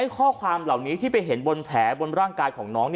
ข้อความเหล่านี้ที่ไปเห็นบนแผลบนร่างกายของน้อง